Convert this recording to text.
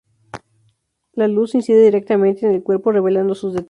La luz incide directamente en el cuerpo, revelando sus detalles.